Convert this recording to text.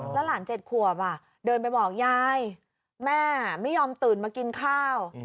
แล้วหลาน๗ขวบเดินไปบอกยายแม่ไม่ยอมตื่นมากินข้าว